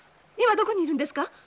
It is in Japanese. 今どこにいるんですか？